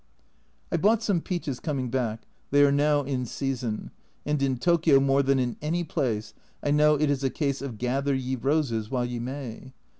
I bought some peaches coming back, they are now in season, and in Tokio more than in any place I know it is a case of " gather ye roses while ye may."